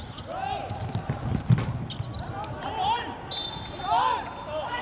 สวัสดีครับทุกคน